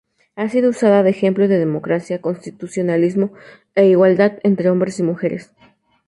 Ha sido usada de ejemplo de democracia, constitucionalismo e igualdad entre hombres y mujeres.